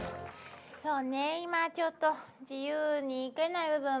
そうね今ちょっと自由に行けない部分もあるわよね。